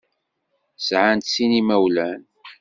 Sɛant sin n yimawalen.